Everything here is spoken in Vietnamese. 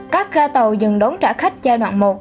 các ga tàu dừng đón trả khách giai đoạn một